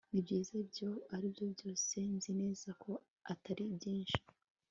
nibyiza ibyo aribyo byose nzi neza ko atari byinshi